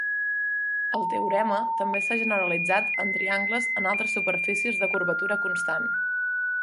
El teorema també s'ha generalitzat en triangles en altres superfícies de curvatura constant.